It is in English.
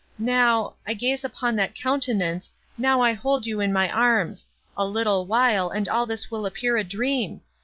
Now—I gaze upon that countenance, now I hold you in my arms! a little while, and all this will appear a dream.